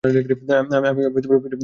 আমি পুজাকে লন্ডন দেখাচ্ছিলাম।